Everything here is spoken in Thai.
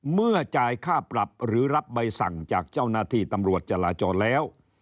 เมื่อจ่ายค่าปรับหรือรับใบสั่งจากเจ้าหน้าที่ตำรวจจราจรแล้ว